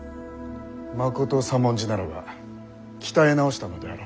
まこと左文字ならば鍛え直したのであろう。